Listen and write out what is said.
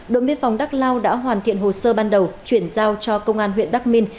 đội biên phòng đắc lao đã hoàn thiện hồ sơ ban đầu chuyển giao cho công an huyện đắc minh